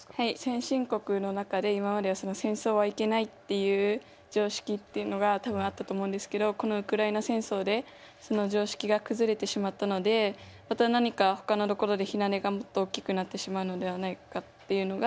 先進国の中で今までは戦争はいけないっていう常識っていうのが多分あったと思うんですけどこのウクライナ戦争でその常識が崩れてしまったのでまた何かほかのところで火種がもっと大きくなってしまうのではないかっていうのが思ってて。